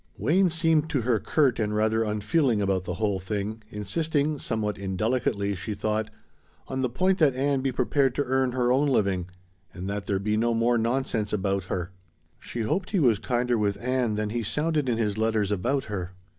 Wayne seemed to her curt and rather unfeeling about the whole thing, insisting, somewhat indelicately, she thought, on the point that Ann be prepared to earn her own living and that there be no more nonsense about her. She hoped he was kinder with Ann than he sounded in his letters about her.